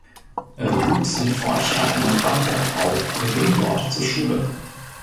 Er wuchs in Forchheim und Bamberg auf und ging dort zur Schule.